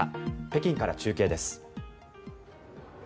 北京から中継です。